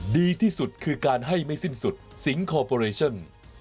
ดีที่สุดคือการให้ไม่สิ้นสุดสิงคอร์ปอเรชั่น